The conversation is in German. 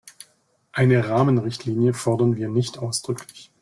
Eine Rahmenrichtlinie fordern wir nicht ausdrücklich.